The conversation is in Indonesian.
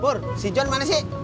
pur si john mana sih